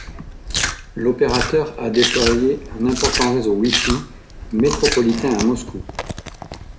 L'opérateur a déployé un important réseau Wi-Fi métropolitain à Moscou.